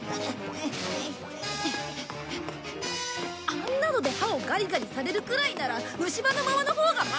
あんなので歯をガリガリされるくらいなら虫歯のままのほうがマシだよ！